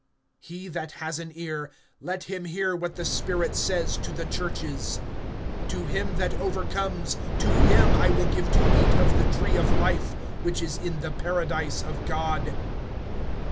(7)He that has an ear, let him hear what the Spirit says to the churches. To him that overcomes, to him I will give to eat of the tree of life, which is in the paradise of God.